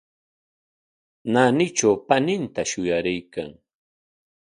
Naanitraw paninta shuyaraykan.